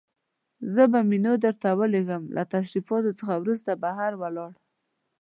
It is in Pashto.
زه به منیو درته راولېږم، له تشریفاتو څخه وروسته بهر ولاړ.